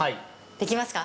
できます。